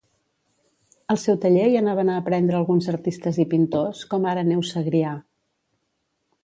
Al seu taller hi anaven a aprendre alguns artistes i pintors, com ara Neus Segrià.